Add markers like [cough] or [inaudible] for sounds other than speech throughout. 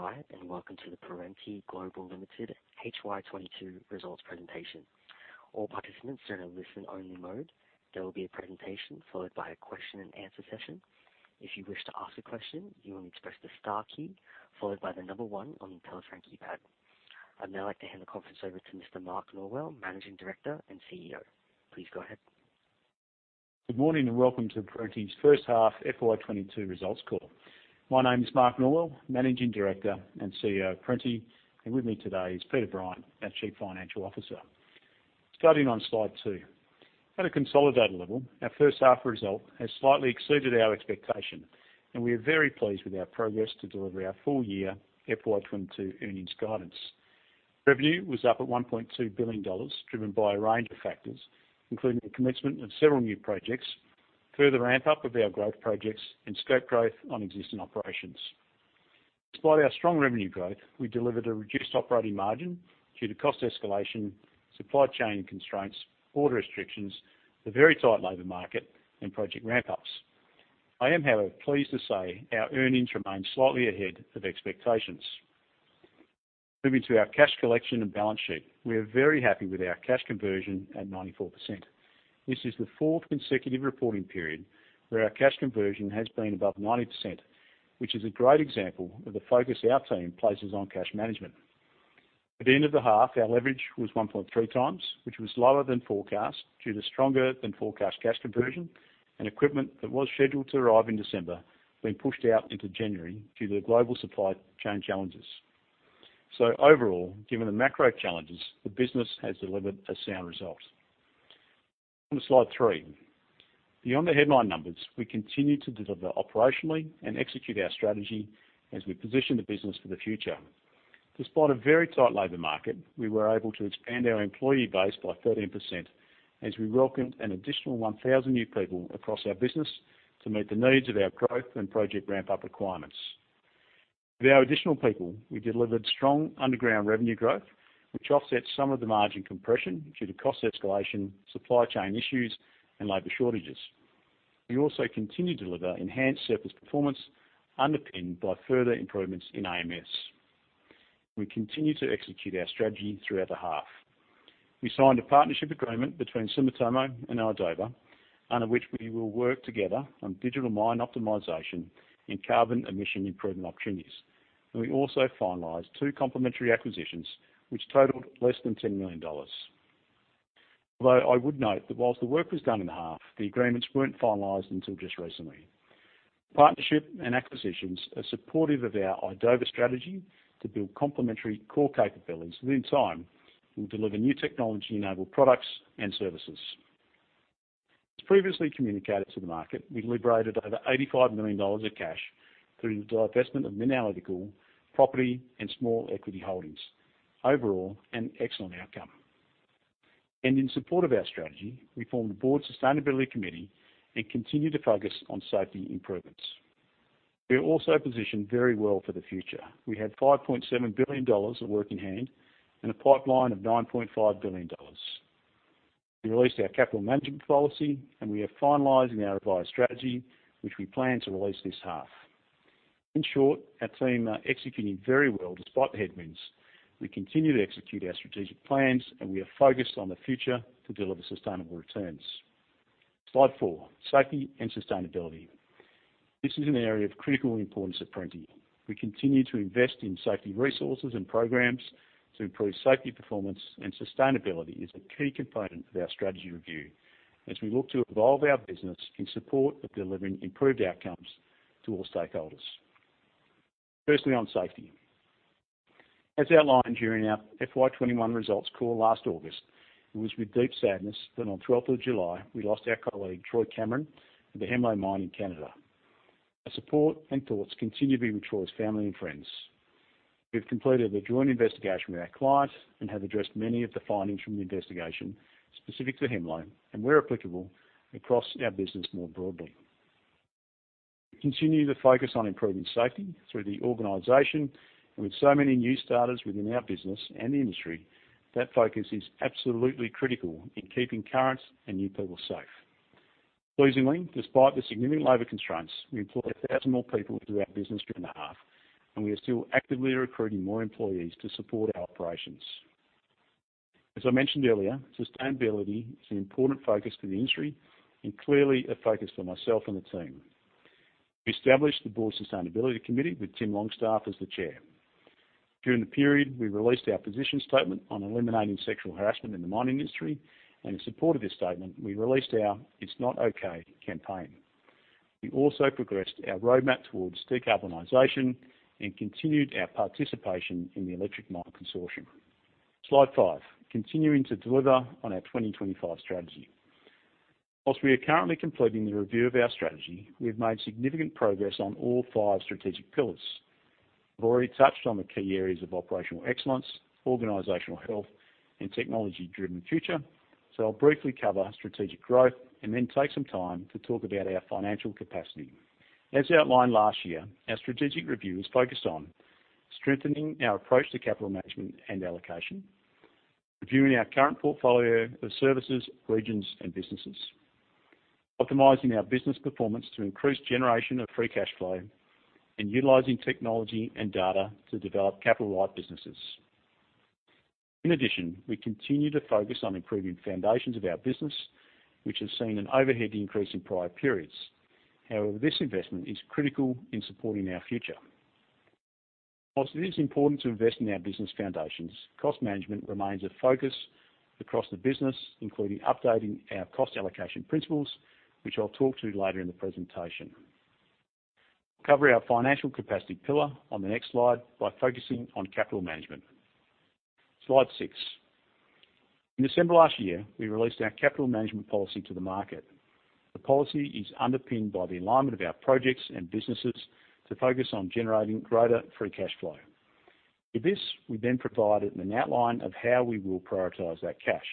Good day and welcome to the Perenti Global Limited HY22 results presentation. All participants are in listen-only mode. There will be a presentation followed by a question and answer session. If you wish to ask a question, you will need to press the star key followed by the number one on your telephone keypad. I'd now like to hand the conference over to Mr. Mark Norwell, Managing Director and CEO. Please go ahead. Good morning and welcome to Perenti's first half FY 2022 results call. My name is Mark Norwell, Managing Director and CEO of Perenti, and with me today is Peter Bryant, our Chief Financial Officer. Starting on slide two. At a consolidated level, our first half result has slightly exceeded our expectation, and we are very pleased with our progress to deliver our full year FY 2022 earnings guidance. Revenue was up at 1.2 billion dollars, driven by a range of factors, including the commencement of several new projects, further ramp up of our growth projects, and scope growth on existing operations. Despite our strong revenue growth, we delivered a reduced operating margin due to cost escalation, supply-chain constraints, order restrictions, the very tight labor market, and project ramp ups. I am, however, pleased to say our earnings remain slightly ahead of expectations. Moving to our cash collection and balance sheet. We are very happy with our cash conversion at 94%. This is the fourth consecutive reporting period where our cash conversion has been above 90%, which is a great example of the focus our team places on cash management. At the end of the half, our leverage was 1.3x, which was lower than forecast due to stronger than forecast cash conversion and equipment that was scheduled to arrive in December being pushed out into January due to global supply-chain challenges. Overall, given the macro challenges, the business has delivered a sound result. On to slide three. Beyond the headline numbers, we continue to deliver operationally and execute our strategy as we position the business for the future. Despite a very tight labor market, we were able to expand our employee base by 13% as we welcomed an additional 1,000 new people across our business to meet the needs of our growth and project ramp up requirements. With our additional people, we delivered strong underground revenue growth, which offsets some of the margin compression due to cost escalation, supply-chain issues, and labor shortages. We also continue to deliver enhanced surface performance underpinned by further improvements in AMS. We continue to execute our strategy throughout the half. We signed a partnership agreement between Sumitomo and idoba, under which we will work together on digital mine optimization in carbon emission improvement opportunities. We also finalized two complementary acquisitions, which totaled less than 10 million dollars. Although I would note that whilst the work was done in half, the agreements weren't finalized until just recently. Partnership and acquisitions are supportive of our idoba strategy to build complementary core capabilities that in time will deliver new technology-enabled products and services. As previously communicated to the market, we've liberated over 85 million dollars of cash through the divestment of MinAnalytical property and small equity holdings. Overall, an excellent outcome. In support of our strategy, we formed a Board Sustainability Committee and continued to focus on safety improvements. We are also positioned very well for the future. We have 5.7 billion dollars of work in hand and a pipeline of 9.5 billion dollars. We released our capital management policy, and we are finalizing our revised strategy, which we plan to release this half. In short, our team are executing very well despite the headwinds. We continue to execute our strategic plans, and we are focused on the future to deliver sustainable returns. Slide four, safety and sustainability. This is an area of critical importance at Perenti. We continue to invest in safety resources and programs to improve safety performance, and sustainability is a key component of our strategy review as we look to evolve our business in support of delivering improved outcomes to all stakeholders. Firstly, on safety. As outlined during our FY 2021 results call last August, it was with deep sadness that on July 12th we lost our colleague, Troy Cameron, at the Hemlo Mine in Canada. Our support and thoughts continue to be with Troy's family and friends. We've completed a joint investigation with our client and have addressed many of the findings from the investigation specific to Hemlo, and where applicable, across our business more broadly. We continue to focus on improving safety through the organization, and with so many new starters within our business and the industry, that focus is absolutely critical in keeping current and new people safe. Pleasingly, despite the significant labor constraints, we employed 1,000 more people through our business through the half, and we are still actively recruiting more employees to support our operations. As I mentioned earlier, sustainability is an important focus for the industry and clearly a focus for myself and the team. We established the Board Sustainability Committee, with Tim Longstaff as the chair. During the period, we released our position statement on eliminating sexual harassment in the mining industry, and in support of this statement, we released our It's Not Okay campaign. We also progressed our roadmap towards decarbonization and continued our participation in the Electric Mine Consortium. Slide five, continuing to deliver on our 2025 strategy. While we are currently completing the review of our strategy, we've made significant progress on all five strategic pillars. I've already touched on the key areas of operational excellence, organizational health, and technology-driven future. I'll briefly cover strategic growth and then take some time to talk about our financial capacity. As outlined last year, our strategic review is focused on strengthening our approach to capital management and allocation, reviewing our current portfolio of services, regions, and businesses, optimizing our business performance to increase generation of free cash flow and utilizing technology and data to develop capital-light businesses. In addition, we continue to focus on improving foundations of our business, which has seen an overhead increase in prior periods. However, this investment is critical in supporting our future. While it is important to invest in our business foundations, cost management remains a focus across the business, including updating our cost allocation principles, which I'll talk to later in the presentation. We are covering our financial capacity pillar on the next slide by focusing on capital management. Slide six. In December last year, we released our capital management policy to the market. The policy is underpinned by the alignment of our projects and businesses to focus on generating greater free cash flow. With this, we then provided an outline of how we will prioritize that cash.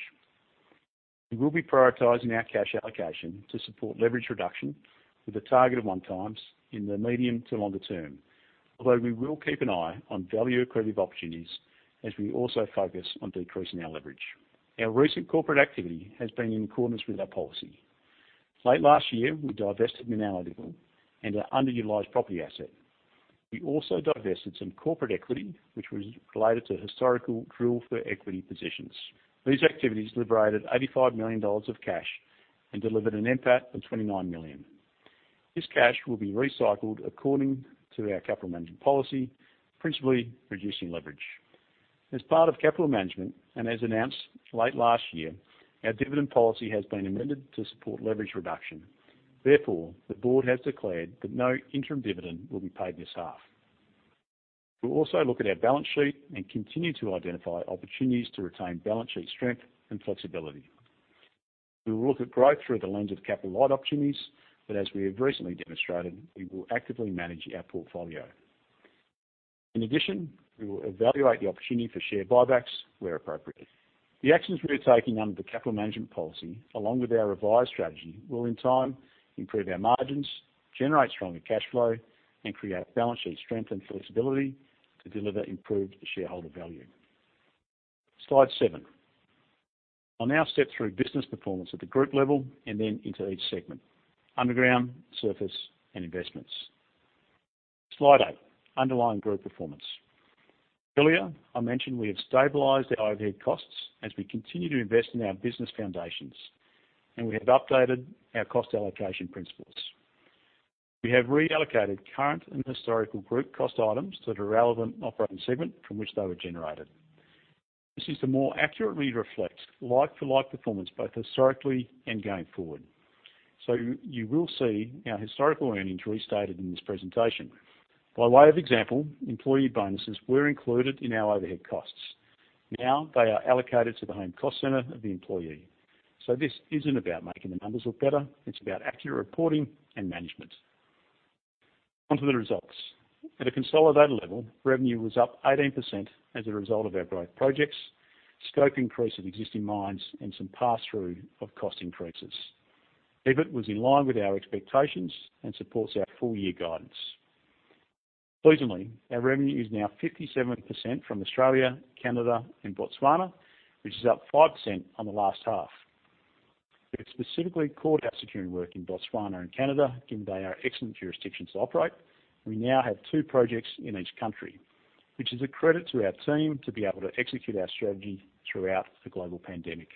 We will be prioritizing our cash allocation to support leverage reduction with a target of 1x in the medium to longer term. Although we will keep an eye on value-accretive opportunities as we also focus on decreasing our leverage. Our recent corporate activity has been in accordance with our policy. Late last year, we divested MinAnalytical and our underutilized property asset. We also divested some corporate equity, which was related to historical drill-for-equity positions. These activities liberated 85 million dollars of cash and delivered an NPAT of 29 million. This cash will be recycled according to our capital management policy, principally reducing leverage. As part of capital management and as announced late last year, our dividend policy has been amended to support leverage reduction. Therefore, the Board has declared that no interim dividend will be paid this half. We'll also look at our balance sheet and continue to identify opportunities to retain balance sheet strength and flexibility. We will look at growth through the lens of capital-light opportunities, but as we have recently demonstrated, we will actively manage our portfolio. In addition, we will evaluate the opportunity for share buybacks where appropriate. The actions we are taking under the capital management policy, along with our revised strategy, will in time improve our margins, generate stronger cash flow, and create balance sheet strength and flexibility to deliver improved shareholder value. Slide seven. I'll now step through business performance at the group level and then into each segment, underground, surface, and investments. Slide eight, underlying group performance. Earlier, I mentioned we have stabilized our overhead costs as we continue to invest in our business foundations, and we have updated our cost allocation principles. We have reallocated current and historical group cost items to the relevant operating segment from which they were generated. This is to more accurately reflect like-for-like performance, both historically and going forward. You will see our historical earnings restated in this presentation. By way of example, employee bonuses were included in our overhead costs. Now they are allocated to the home cost center of the employee. This isn't about making the numbers look better, it's about accurate reporting and management. Onto the results. At a consolidated level, revenue was up 18% as a result of our growth projects, scope increase of existing mines, and some pass-through of cost increases. EBIT was in line with our expectations and supports our full-year guidance. Pleasingly, our revenue is now 57% from Australia, Canada, and Botswana, which is up 5% on the last half. We have specifically focused on securing work in Botswana and Canada, given they are excellent jurisdictions to operate. We now have two projects in each country, which is a credit to our team to be able to execute our strategy throughout the global pandemic.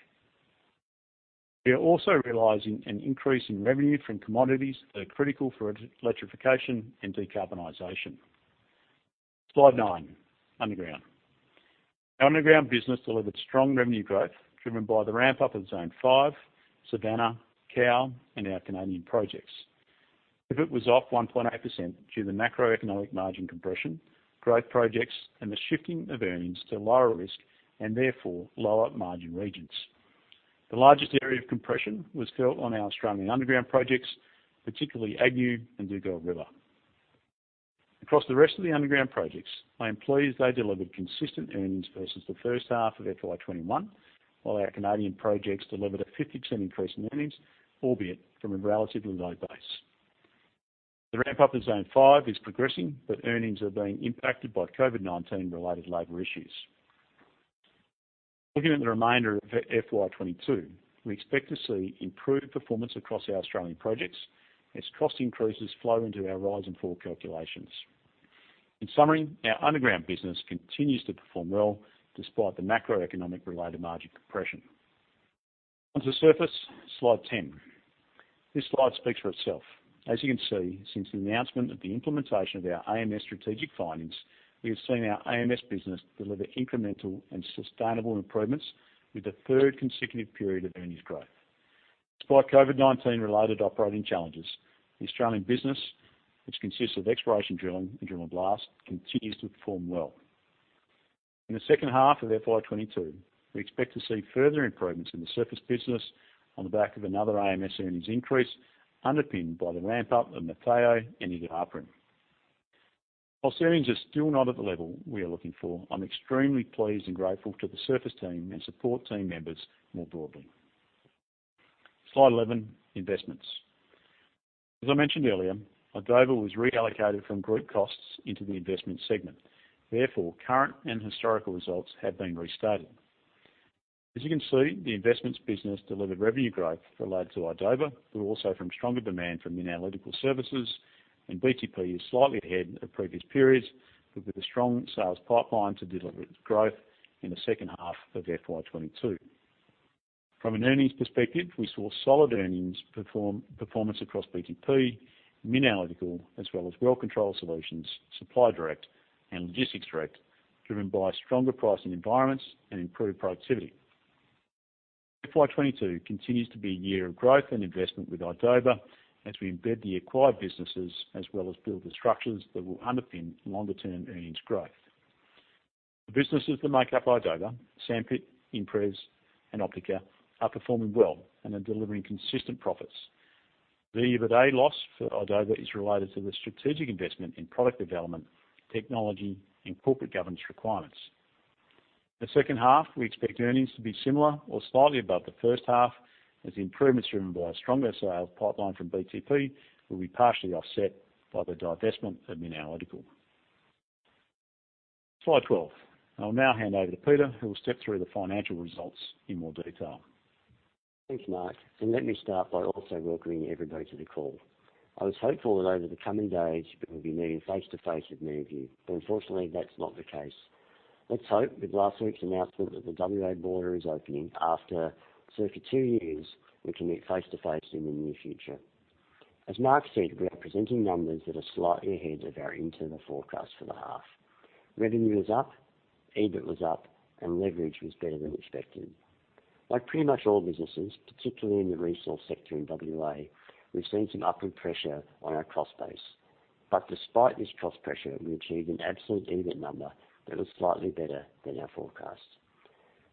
We are also realizing an increase in revenue from commodities that are critical for electrification and decarbonization. Slide nine, underground. Our underground business delivered strong revenue growth driven by the ramp up of Zone 5, Savannah, Cowal, and our Canadian projects. EBIT was off 1.8% due to macroeconomic margin compression, growth projects, and the shifting of earnings to lower-risk and therefore lower margin regions. The largest area of compression was felt on our Australian underground projects, particularly Agnew and Dugald River. Across the rest of the underground projects, I am pleased they delivered consistent earnings versus the first half of FY 2021, while our Canadian projects delivered a 50% increase in earnings, albeit from a relatively low base. The ramp up of Zone 5 is progressing, but earnings are being impacted by COVID-19-related labor issues. Looking at the remainder of FY 2022, we expect to see improved performance across our Australian projects as cost increases flow into our rise-and-fall calculations. In summary, our underground business continues to perform well despite the macroeconomic-related margin compression. Onto surface, slide 10. This slide speaks for itself. As you can see, since the announcement of the implementation of our AMS strategic findings, we have seen our AMS business deliver incremental and sustainable improvements with the third consecutive period of earnings growth. Despite COVID-19 related operating challenges, the Australian business, which consists of exploration, drilling, and drill and blast, continues to perform well. In the second half of FY 2022, we expect to see further improvements in the surface business on the back of another AMS earnings increase underpinned by the ramp up of Motheo and Iduapriem. While earnings are still not at the level we are looking for, I'm extremely pleased and grateful to the surface team and support team members more broadly. Slide 11, investments. As I mentioned earlier, idoba was reallocated from group costs into the investment segment. Therefore, current and historical results have been restated. As you can see, the investments business delivered revenue growth related to idoba, but also from stronger demand from MinAnalytical, and BTP is slightly ahead of previous periods with a strong sales pipeline to deliver its growth in the second half of FY 2022. From an earnings perspective, we saw solid earnings performance across BTP, MinAnalytical, as well as Well Control Solutions, Supply Direct and Logistics Direct, driven by stronger pricing environments and improved productivity. FY 2022 continues to be a year of growth and investment with idoba as we embed the acquired businesses as well as build the structures that will underpin longer-term earnings growth. The businesses that make up idoba, Sandpit, ImpRes and Optika, are performing well and are delivering consistent profits. The EBITDA loss for idoba is related to the strategic investment in product development, technology and corporate governance requirements. The second half, we expect earnings to be similar or slightly above the first half as the improvements driven by a stronger sales pipeline from BTP will be partially offset by the divestment of MinAnalytical. Slide 12. I will now hand over to Peter, who will step through the financial results in more detail. Thanks, Mark, and let me start by also welcoming everybody to the call. I was hopeful that over the coming days we would be meeting face to face with many of you, but unfortunately that's not the case. Let's hope with last week's announcement that the WA border is opening after circa two years, we can meet face to face in the near future. As Mark said, we are presenting numbers that are slightly ahead of our internal forecast for the half. Revenue was up, EBIT was up and leverage was better than expected. Like pretty much all businesses, particularly in the resource sector in WA, we've seen some upward pressure on our cost base. Despite this cost pressure, we achieved an absolute EBIT number that was slightly better than our forecast.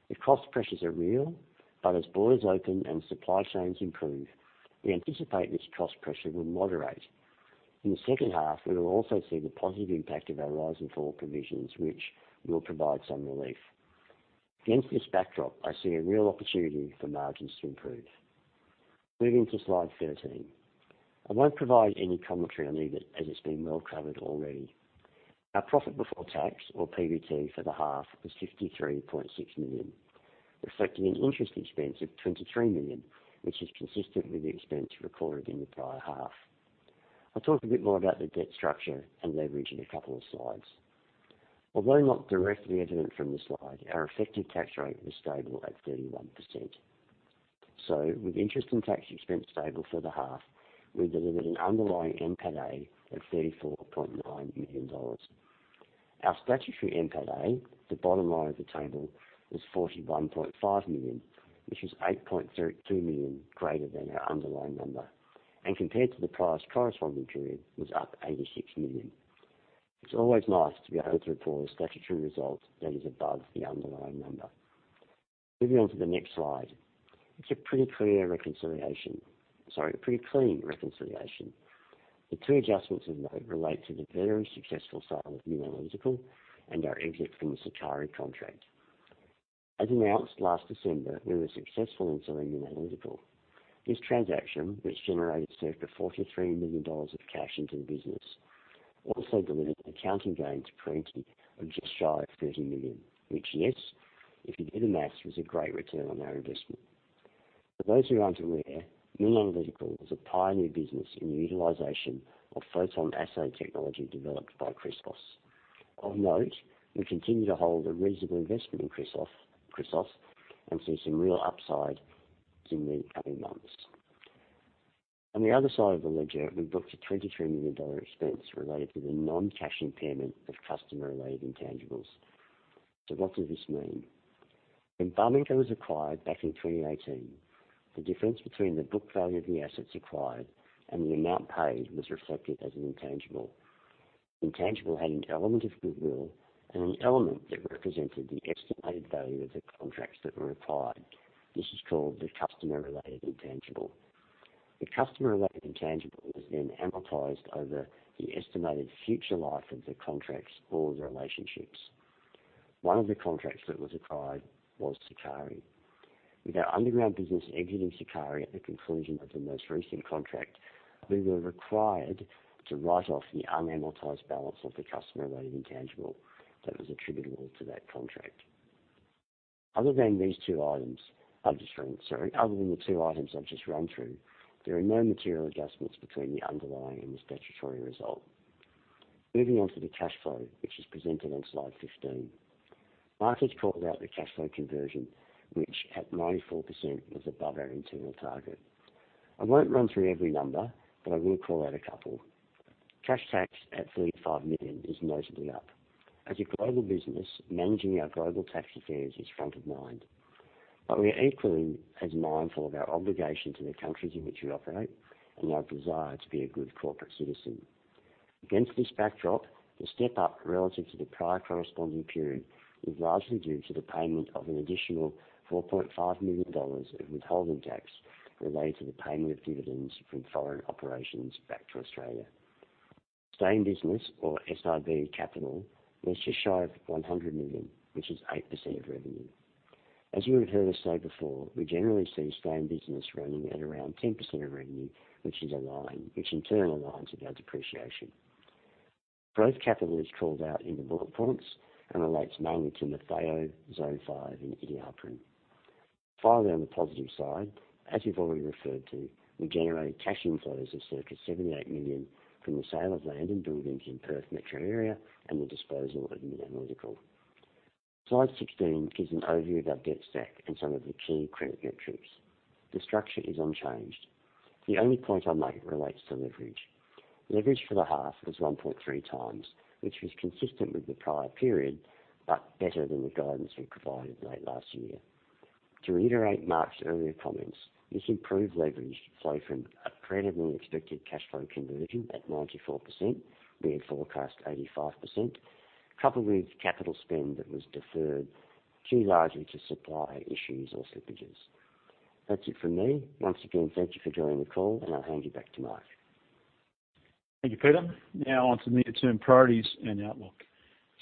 The cost pressures are real, but as borders open and supply chains improve, we anticipate this cost pressure will moderate. In the second half, we will also see the positive impact of our rise-and-fall provisions, which will provide some relief. Against this backdrop, I see a real opportunity for margins to improve. Moving to slide 13. I won't provide any commentary on EBIT as it's been well covered already. Our profit before tax or PBT for the half was 53.6 million, reflecting an interest expense of 23 million, which is consistent with the expense recorded in the prior half. I'll talk a bit more about the debt structure and leverage in a couple of slides. Although not directly evident from the slide, our effective tax rate was stable at 31%. With interest and tax expense stable for the half, we delivered an underlying NPATA of 34.9 million dollars. Our statutory NPATA, the bottom line of the table, was 41.5 million, which is 8.32 million greater than our underlying number, compared to the prior corresponding period, was up 86 million. It's always nice to be able to report a statutory result that is above the underlying number. Moving on to the next slide. It's a pretty clean reconciliation. The two adjustments of note relate to the very successful sale of MinAnalytical and our exit from the Sakari contract. As announced last December, we were successful in selling MinAnalytical. This transaction, which generated circa 43 million dollars of cash into the business, also delivered an accounting gain to Perenti of just shy of 30 million. Which, yes, if you did the math, was a great return on our investment. For those who aren't aware, Mineralogical was a pioneer business in the utilization of PhotonAssay technology developed by Chrysos. Of note, we continue to hold a reasonable investment in Chrysos and see some real upside in the coming months. On the other side of the ledger, we booked an 23 million dollar expense related to the non-cash impairment of customer-related intangibles. What does this mean? When Barminco was acquired back in 2018, the difference between the book value of the assets acquired and the amount paid was reflected as an intangible. Intangible had an element of goodwill and an element that represented the estimated value of the contracts that were acquired. This is called the customer-related intangible. The customer-related intangible was then amortized over the estimated future life of the contracts or the relationships. One of the contracts that was acquired was Sakari. With our underground business exiting Sakari at the conclusion of the most recent contract, we were required to write off the unamortized balance of the customer-related intangible that was attributable to that contract. Other than the two items I've just run through, there are no material adjustments between the underlying and the statutory result. Moving on to the cash flow, which is presented on slide 15. Mark has called out the cash flow conversion, which at 94% was above our internal target. I won't run through every number, but I will call out a couple. Cash tax at 35 million is notably up. As a global business, managing our global tax affairs is front of mind. We are equally as mindful of our obligation to the countries in which we operate and our desire to be a good corporate citizen. Against this backdrop, the step up relative to the prior corresponding period is largely due to the payment of an additional 4.5 million dollars of withholding tax related to the payment of dividends from foreign operations back to Australia. Sustaining business or SRB capital was just shy of 100 million, which is 8% of revenue. As you would have heard us say before, we generally see sustaining business running at around 10% of revenue, which is aligned, which in turn aligns with our depreciation. Growth capital is called out in the bullet points and relates mainly to the Motheo, Zone 5, and Iduapriem. Finally, on the positive side, as you've already referred to, we generated cash inflows of circa 78 million from the sale of land and buildings in Perth metro area and the disposal of MinAnalytical. Slide 16 gives an overview of our debt stack and some of the key credit metrics. The structure is unchanged. The only point I'll make relates to leverage. Leverage for the half was 1.3x, which was consistent with the prior period, but better than the guidance we provided late last year. To reiterate Mark's earlier comments, this improved leverage flow from a credibly expected cash flow conversion at 94%, we had forecast 85%, coupled with capital spend that was deferred due largely to supply issues or slippages. That's it from me. Once again, thank you for joining the call, and I'll hand you back to Mark. Thank you, Peter. Now on to the near-term priorities and outlook.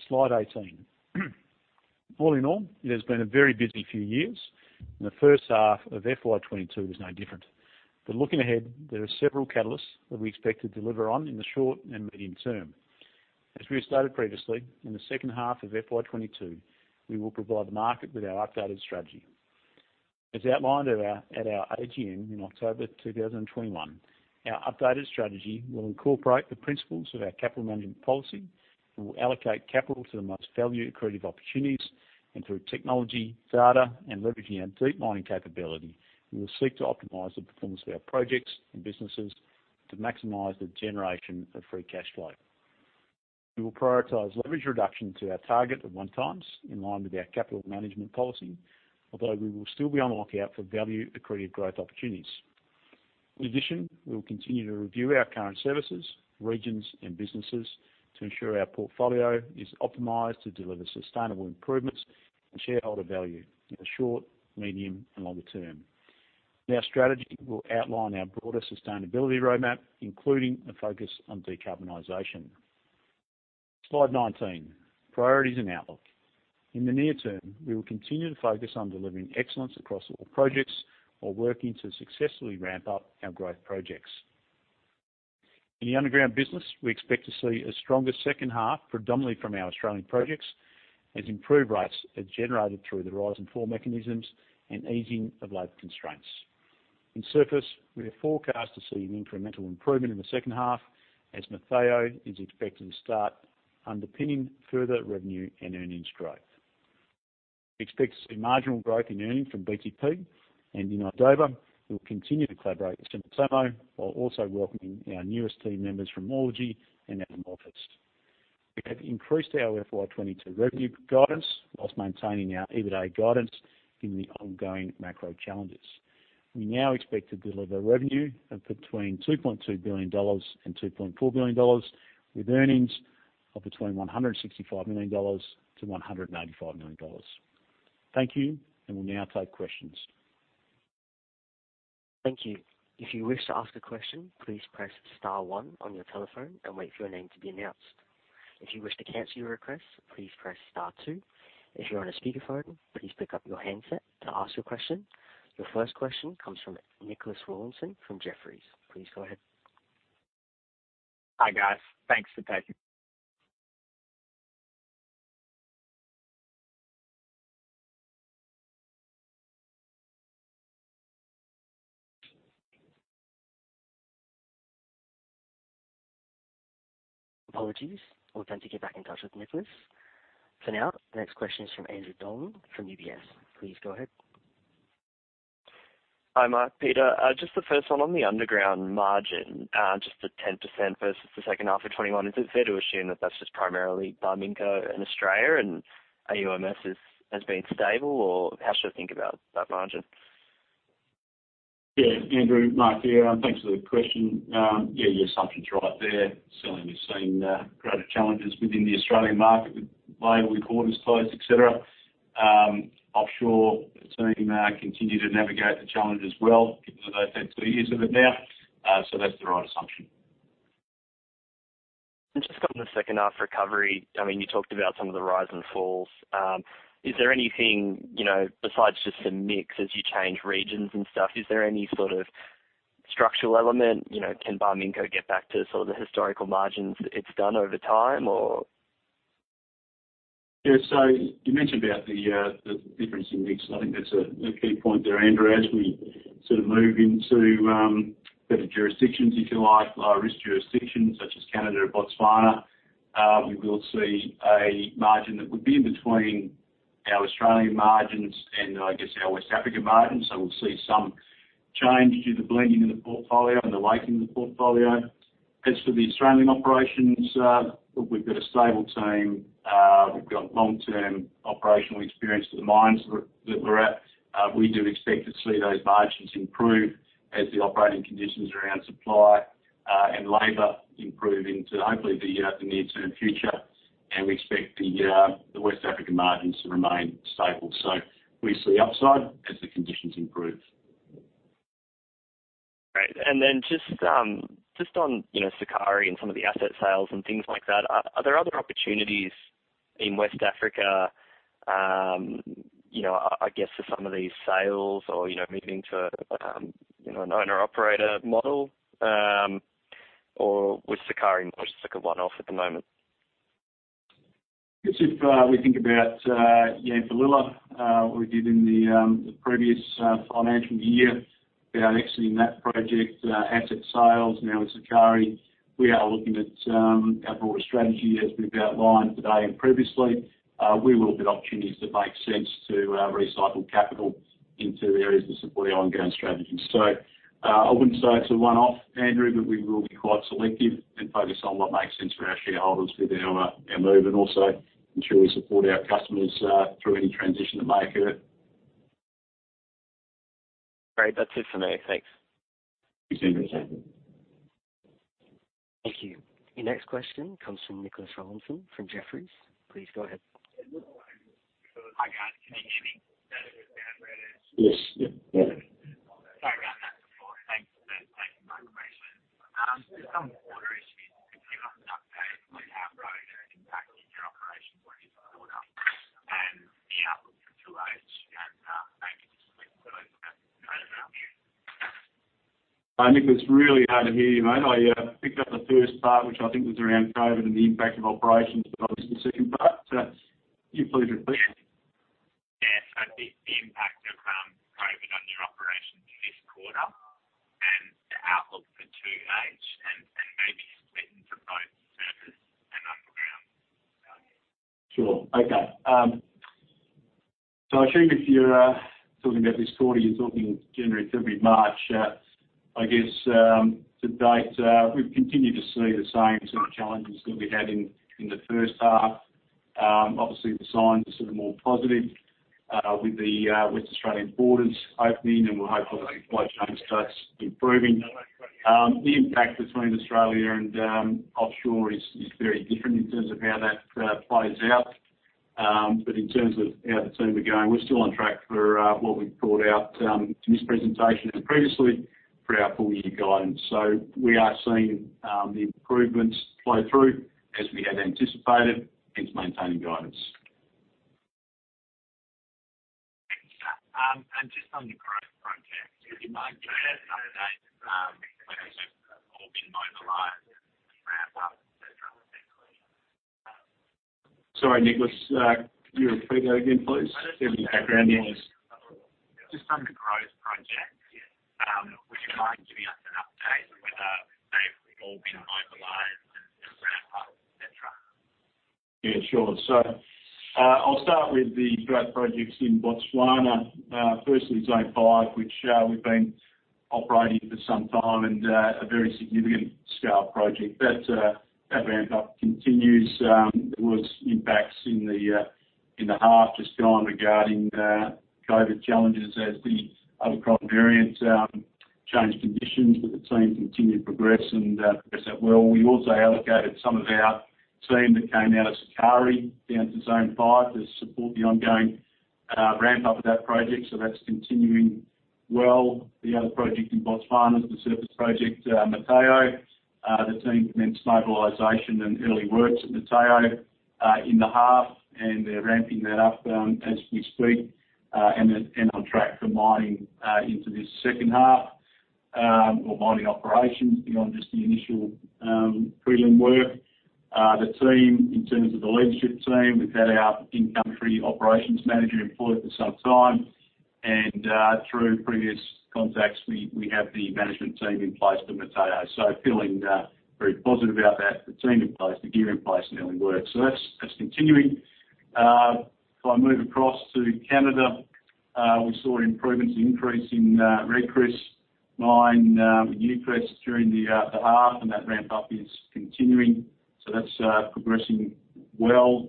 Slide 18. All in all, it has been a very busy few years, and the first half of FY 2022 was no different. Looking ahead, there are several catalysts that we expect to deliver on in the short and medium term. As we have stated previously, in the second half of FY 2022, we will provide the market with our updated strategy. As outlined at our AGM in October 2021, our updated strategy will incorporate the principles of our capital management policy. We will allocate capital to the most value accretive opportunities and through technology, data, and leveraging our deep mining capability, we will seek to optimize the performance of our projects and businesses to maximize the generation of free cash flow. We will prioritize leverage reduction to our target of 1x in line with our capital management policy, although we will still be on the lookout for value-accretive growth opportunities. In addition, we will continue to review our current services, regions, and businesses to ensure our portfolio is optimized to deliver sustainable improvements and shareholder value in the short, medium, and longer term. Our strategy will outline our broader sustainability roadmap, including a focus on decarbonization. Slide 19, priorities and outlook. In the near term, we will continue to focus on delivering excellence across all projects while working to successfully ramp up our growth projects. In the underground business, we expect to see a stronger second half, predominantly from our Australian projects, as improved rates are generated through the rise-and-fall mechanisms and easing of labor constraints. In surface, we are forecast to see an incremental improvement in the second half as Motheo is expected to start underpinning further revenue and earnings growth. We expect to see marginal growth in earnings from BTP. In idoba, we will continue to collaborate with Sumitomo, while also welcoming our newest team members from Orelogy and Atomorphis. We have increased our FY 2022 revenue guidance while maintaining our EBITDA guidance in the ongoing macro challenges. We now expect to deliver revenue of between AUD 2.2 billion and AUD 2.4 billion, with earnings of between AUD 165 million to AUD 195 million. Thank you, and we'll now take questions. Thank you. Your first question comes from Nicholas Rawlinson from Jefferies. Please go ahead. Hi, guys. Apologies. We'll attempt to get back in touch with Nicholas. For now, the next question is from Andrew Dolan from UBS. Please go ahead. Hi, Mark, Peter. Just the first one on the underground margin, just the 10% versus the second half of 2021. Is it fair to assume that that's just primarily Barminco and Australia and AMS has been stable, or how should I think about that margin? Yeah, Andrew, Mark here. Thanks for the question. Yeah, your assumption's right there. Certainly, we've seen greater challenges within the Australian market with labor, with borders closed, et cetera. Offshore, the team continue to navigate the challenge as well, even though they've had two years of it now. That's the right assumption. Just on the second half recovery, I mean, you talked about some of the rise and falls. Is there anything, you know, besides just the mix as you change regions and stuff, is there any sort of structural element, you know, can Barminco get back to sort of the historical margins it's done over time or? Yeah. You mentioned about the difference in mix. I think that's a key point there, Andrew. As we sort of move into better jurisdictions, if you like, lower risk jurisdictions such as Canada or Botswana, we will see a margin that would be in between our Australian margins and I guess our West Africa margins. We'll see some change due to blending in the portfolio and the weighting in the portfolio. As for the Australian operations, look, we've got a stable team. We've got long-term operational experience with the mines that we're at. We do expect to see those margins improve as the operating conditions around supply and labor improve into hopefully the near-term future. We expect the West Africa margins to remain stable. We see upside as the conditions improve. Great. Just on, you know, Sakari and some of the asset sales and things like that, are there other opportunities in West Africa, you know, I guess for some of these sales or, you know, moving to, you know, an owner-operator model, or was Sakari more just like a one-off at the moment? If we think about Yanfolila, we did in the previous financial year about exiting that project, asset sales now in Sakari. We are looking at our broader strategy as we've outlined today and previously. We look at opportunities that make sense to recycle capital into areas that support the ongoing strategy. I wouldn't say it's a one-off, Andrew, but we will be quite selective and focus on what makes sense for our shareholders with our move and also ensure we support our customers through any transition they may occur. Great. That's it for me. Thanks. Thanks, Andrew. Thank you. Your next question comes from Nicholas Rawlinson from Jefferies. Please go ahead. Hi, guys. Can you hear me? Yes. Yep. Yeah. Sorry about that before. Thanks for my information. Just on the border issue, can you give us an update on how COVID impacted your operations on this quarter and the outlook for 2H and maybe split those for both surface and underground? Nicholas, really hard to hear you, mate. I picked up the first part, which I think was around COVID and the impact of operations, but I missed the second part. You please repeat? The impact of COVID on your operations this quarter and the outlook for 2H, maybe split into both surface and underground. Sure. Okay. I assume, if you're talking about this quarter, you're talking January, February, March. I guess to date, we've continued to see the same sort of challenges that we had in the first half. Obviously the signs are sort of more positive with the Western Australian borders opening, and we're hopeful that supply chain starts improving. The impact between Australia and offshore is very different in terms of how that plays out. But in terms of how the team are going, we're still on track for what we've called out in this presentation and previously for our full-year guidance. We are seeing the improvements flow through as we had anticipated, hence maintaining guidance. Thanks for that. Just on the growth projects, would you mind giving us an update, whether they've all been mobilized, ramped up, et cetera, recently? Sorry, Nicholas, can you repeat that again, please? There's a bit of background noise. Just on the growth projects, would you mind giving us an update on whether they've all been mobilized and ramped up, et cetera? Yeah, sure. I'll start with the growth projects in Botswana. Firstly, Zone 5, which we've been operating for some time and a very significant scale project. That ramp up continues. There was impacts in the half just gone regarding COVID challenges as the other COVID variants changed conditions, but the team continued progress and progressed that well. We also allocated some of our team that came out of Sakari down to Zone 5 to support the ongoing ramp up of that project. That's continuing well. The other project in Botswana is the surface project, Motheo. The team commenced mobilization and early works at Motheo in the half, and they're ramping that up as we speak. They're on track for mining into this second half or mining operations beyond just the initial prelim work. The team, in terms of the leadership team, we've had our in-country operations manager employed for some time, and through previous contacts, we have the management team in place for Motheo. Feeling very positive about that. The team in place, the gear in place, now in work. That's continuing. If I move across to Canada, we saw improvements, increase in Red Chris mine with Newcrest during the half, and that ramp up is continuing. That's progressing well.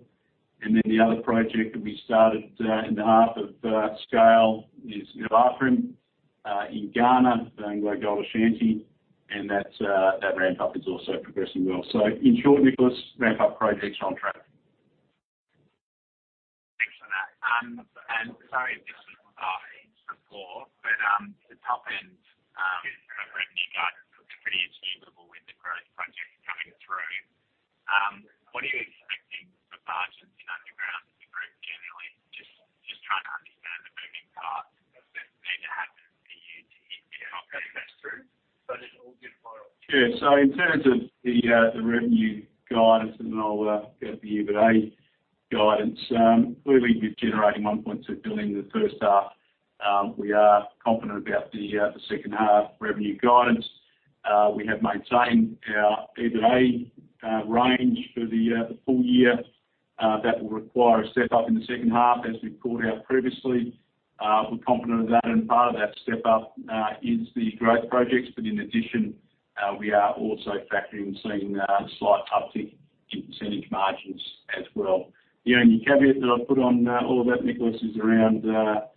Then the other project that we started in the half at [audio distortion] Iduapriem in Ghana for AngloGold Ashanti, and that ramp up is also progressing well. In short, Nicholas, ramp up projects on track. Thanks for that. Sorry if this was asked before, but the top-end revenue guidance looks pretty achievable with the growth projects coming through. What are you expecting for margins in underground in the group generally? Just trying to understand the moving parts that need to happen for you to hit your operating cash flow. Yeah. In terms of the revenue guidance, and then I'll go to the EBITDA guidance, clearly we've been generating 1.2 billion in the first half. We are confident about the second-half revenue guidance. We have maintained our EBITDA range for the full year. That will require a step up in the second half as we've called out previously. We're confident of that, and part of that step up is the growth projects. In addition, we are also factoring in seeing a slight uptick in percentage margins as well. The only caveat that I'd put on all of that, Nicholas, is around the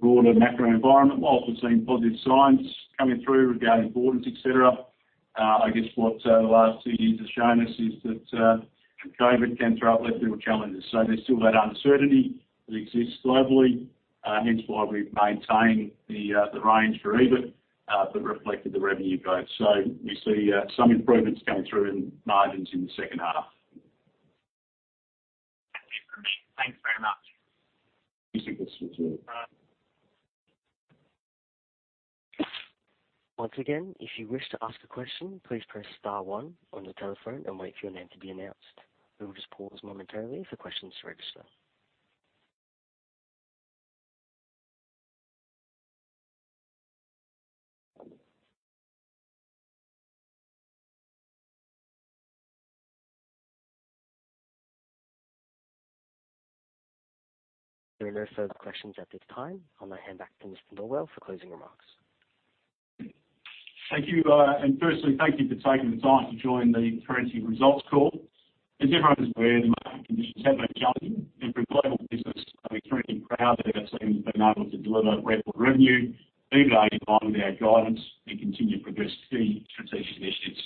broader macro environment. While we've seen positive signs coming through regarding borders, et cetera, I guess what the last two years has shown us is that COVID can throw up a little challenges. There's still that uncertainty that exists globally, hence why we've maintained the range for EBIT that reflected the revenue growth. We see some improvements coming through in margins in the second half. That's it from me. Thanks very much. Thanks, Nicholas. Thank you. Once again, if you wish to ask a question, please press star one on the telephone and wait for your name to be announced. We will just pause momentarily for questions to register. There are no further questions at this time. I'll now hand back to Mr. Norwell for closing remarks. Thank you. Firstly, thank you for taking the time to join the Perenti results call. As everyone is aware, the market conditions have been challenging. For a global business, I'm extremely proud that our team's been able to deliver record revenue, EBITDA in line with our guidance, and continue to progress key strategic initiatives.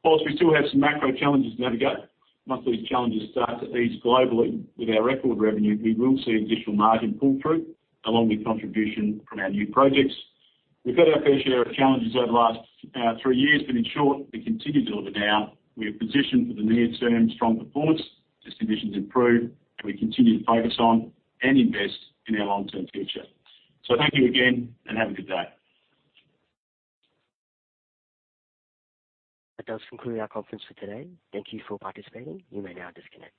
While we still have some macro challenges to navigate, once these challenges start to ease globally with our record revenue, we will see additional margin pull through, along with contribution from our new projects. We've had our fair share of challenges over the last three years, but in short, we continue to deliver now. We are positioned for the near-term strong performance as conditions improve, and we continue to focus on and invest in our long-term future. Thank you again, and have a good day. That does conclude our conference for today. Thank you for participating. You may now disconnect.